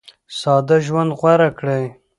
ساده ژوند غوره کړئ.